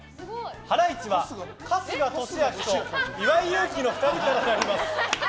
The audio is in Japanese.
ハライチは春日俊彰と岩井勇気の２人からなります。